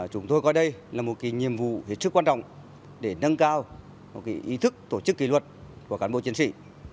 chúng tôi coi đây là một nhiệm vụ hết sức quan trọng để nâng cao ý thức tổ chức kỷ luật của cán bộ chiến sĩ